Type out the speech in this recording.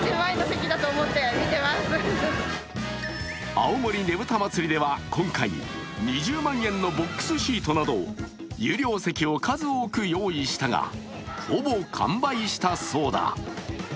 青森ねぶた祭では今回、２０万円のボックスシートなど有料席を数多く用意したがほぼ完売したそうだ。